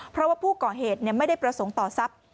เพราะว่าผู้ก่อเหตุไม่ได้ประสงค์ต่อทรัพย์